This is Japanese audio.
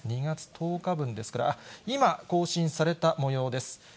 ２月１０日分ですから、今、更新されたもようです。